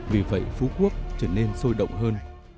vì vậy phú quốc trở nên sôi động hơn